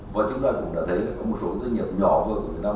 và chúng ta cũng đã thấy có một số doanh nghiệp nhỏ thôi của việt nam